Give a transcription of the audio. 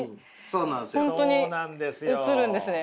そうなんですよ。